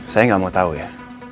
saya gak mau tau ya